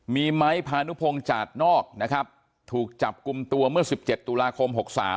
มีไม้พานุพงศ์จาดนอกนะครับถูกจับกลุ่มตัวเมื่อ๑๗ตุลาคม๖๓